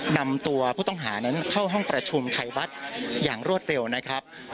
นำตัวผู้ต้องหานั้นเข้าห้องประชุมไทยวัดอย่างรวดเร็วนะครับ